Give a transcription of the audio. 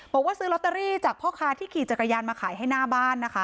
บอกว่าซื้อลอตเตอรี่จากพ่อค้าที่ขี่จักรยานมาขายให้หน้าบ้านนะคะ